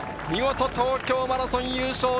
見事、東京マラソン優勝。